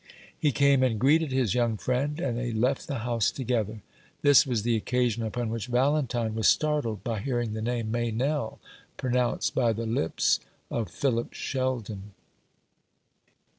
He came and greeted his young friend, and they left the house together. This was the occasion upon which Valentine was startled by hearing the name "Meynell" pronounced by the lips of Philip Sheldon.